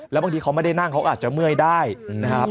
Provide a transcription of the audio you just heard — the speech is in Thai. แล้วบางทีเขาไม่ได้นั่งเขาอาจจะเมื่อยได้นะครับ